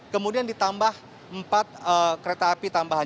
kemudian ditambah empat kereta api tambahan